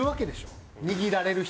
握られる人が。